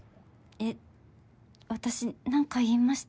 えっ私なんか言いました？